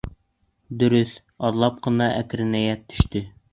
Дөрөҫ, аҙлап ҡына әкренәйә төштө.